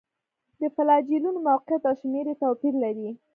د فلاجیلونو موقعیت او شمېر یې توپیر لري.